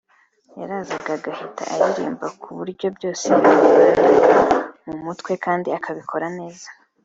yarazaga agahita aririmba ku buryo byose yabivanaga mu mutwe kandi akabikora neza